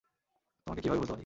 তোমাকে কীভাবে ভুলতে পারি?